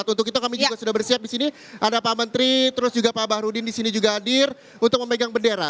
untuk kita kami juga sudah bersiap disini ada pak menteri terus juga pak abah rudin disini juga hadir untuk memegang bendera